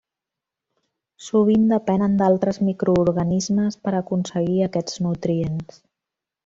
Sovint depenen d'altres microorganismes per aconseguir aquests nutrients.